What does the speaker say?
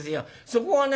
そこがね